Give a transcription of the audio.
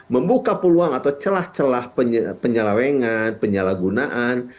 membuka peluang atau celah celah penyelewengan penyalahgunaan